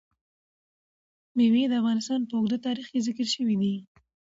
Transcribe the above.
مېوې د افغانستان په اوږده تاریخ کې ذکر شوی دی.